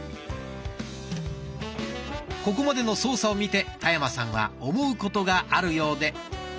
ここまでの操作を見て田山さんは思うことがあるようで。